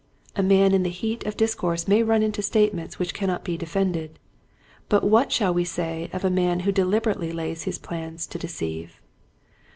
A man in the heat of discourse may run into statements which cannot be defended, but what shall we say of a man who deliberately lays his plans to deceive